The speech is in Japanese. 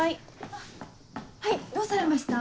はいどうされました？